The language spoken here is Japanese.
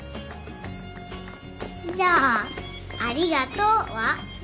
じゃあ「ありがとう」は？